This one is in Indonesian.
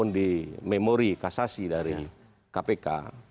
di memori kasasi dari kpk